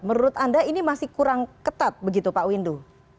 menurut anda ini masih kurang ketat begitu pak windu